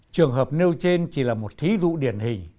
trường hợp nêu trên chỉ là một thí dụ điển hình